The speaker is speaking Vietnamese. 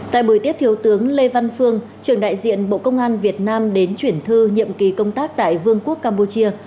tại buổi tiếp thiếu tướng lê văn phương trưởng đại diện bộ công an việt nam đến chuyển thư nhiệm kỳ công tác tại vương quốc campuchia